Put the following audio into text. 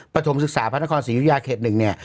ปฐมศึกษาพระนครศรียุธยาเขต๑เนี่ย